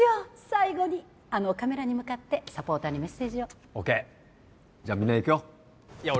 最後にあのカメラに向かってサポーターにメッセージをＯＫじゃあみんないくよいや